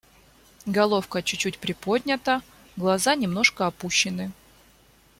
Головка чуть-чуть приподнята, глаза немножко опущены.